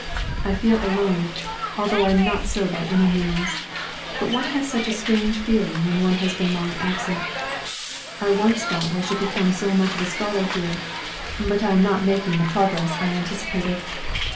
I feel alone, although I am not so by any means, but one has such a strange feeling when one has been long absent. I once thought I should become so much of a scholar here; but I am not making the progress I anticipated.